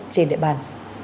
trên địa bàn